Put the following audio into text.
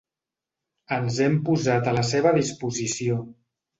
Ens hem posat a la seva disposició.